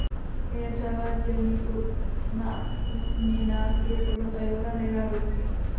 Iniciativa dělníků na změnách je podle Taylora nežádoucí.